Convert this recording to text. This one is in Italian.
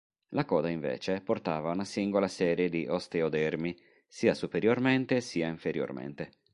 La coda, invece, portava una singola serie di osteodermi sia superiormente, sia inferiormente.